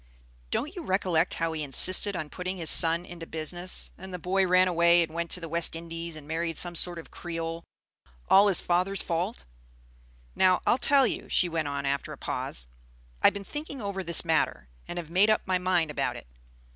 Don't you recollect how he insisted on putting his son into business, and the boy ran away and went to the West Indies and married some sort of Creole, all his father's fault? "Now, I'll tell you," she went on after a pause. "I've been thinking over this matter, and have made up my mind about it.